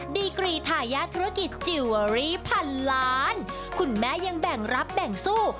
ดีกรีทายาทธุรกิจจิลเวอรี่พันล้านคุณแม่ยังแบ่งรับแบ่งสู้